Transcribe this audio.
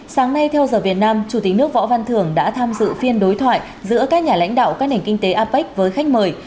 sáng nay theo giờ việt nam chủ tịch nước võ văn thường đã tham dự phiên đối thoại giữa các nhà lãnh đạo các nền kinh tế apec với khách mời